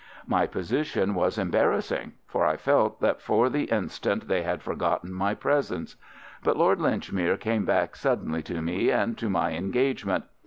My position was embarrassing, for I felt that for the instant they had forgotten my presence. But Lord Linchmere came back suddenly to me and to my engagement.